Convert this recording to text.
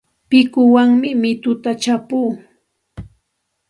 Pikuwanmi mituta chapuu.